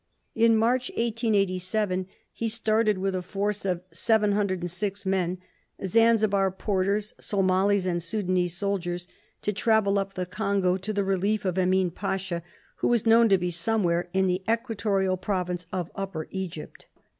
In March, 1887, he started with a force of 706 men Zanzibar porters, Somalis, and Sudanese soldiers— to travel up the Congo to the relief of Emin Pasha, who was known to be somewhere in the Equatorial Province of Upper Egypt.